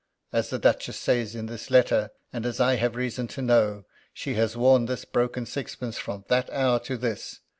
As the Duchess says in this letter, and as I have reason to know, she has worn this broken sixpence from that hour to this.